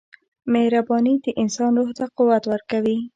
• مهرباني د انسان روح ته قوت ورکوي.